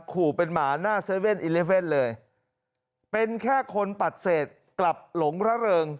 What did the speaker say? ขู่เป็นหมาหน้า๗๑๑เลยเป็นแค่คนปัดเศษกลับหลงระเริง